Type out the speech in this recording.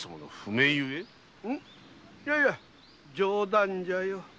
いやいや冗談じゃよ。